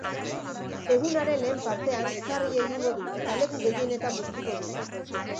Egunaren lehen partean, sarri egingo du, eta leku gehienetan bustiko du.